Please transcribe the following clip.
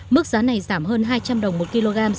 mức giá này giảm hơn hai trăm linh đồng một kg